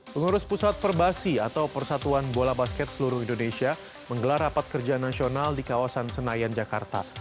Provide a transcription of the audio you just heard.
pengurus pusat perbasi atau persatuan bola basket seluruh indonesia menggelar rapat kerja nasional di kawasan senayan jakarta